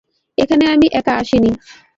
এখানে আমি একা আসিনি।